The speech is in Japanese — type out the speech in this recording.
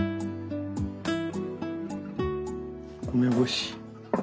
梅干し。